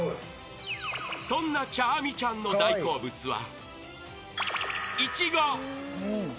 ［そんな茶愛美ちゃんの大好物は］